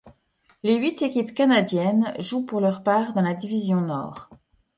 Les huit équipes canadiennes jouent pour leur part dans la division Nord.